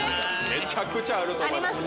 めちゃくちゃあると思います。